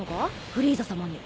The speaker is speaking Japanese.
フリーザさまに。